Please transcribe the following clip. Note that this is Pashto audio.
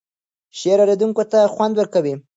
شعر اوریدونکی ته خوند ورکوي.